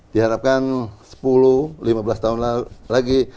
diharapkan sepuluh lima belas tahun lagi